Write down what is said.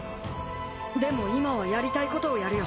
でも今はやりたいことをやるよ